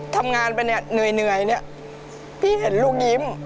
ทำงานไปเนื่อยพี่เห็นลูกยิ้ม